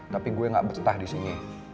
tapi gue gak betah di sini